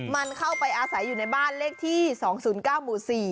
มันเข้าไปอาศัยอยู่ในบ้านเลขที่๒๐๙หมู่๔